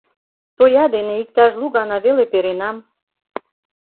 Тоя дене иктаж лу гана веле перенам...